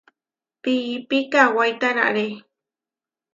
Piípi kawái tararé.